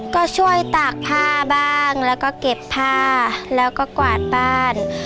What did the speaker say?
ก็ช่วยตากผ้าบ้างแล้วก็เก็บผ้าแล้วก็กวาดบ้าน